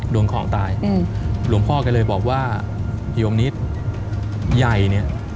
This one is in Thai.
โดนของตายอืมหลวงพ่อก็เลยบอกว่าโยมนิดใหญ่เนี่ย